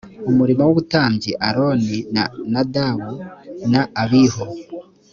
umurimo w ubutambyi aroni na nadabu na abihu